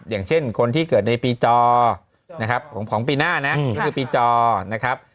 อย่างเช่นคนที่เกิดในปีจอนะครับของปีหน้านะก็คือปีจอนะครับ